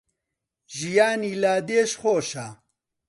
ژیانی لادێش خۆشە